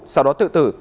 sau đó tự tử